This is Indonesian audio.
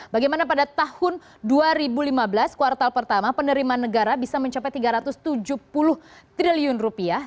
bagaimana pada tahun dua ribu lima belas kuartal pertama penerimaan negara bisa mencapai tiga ratus tujuh puluh triliun rupiah